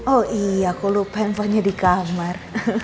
oh iya aku lupa handphonenya di kamar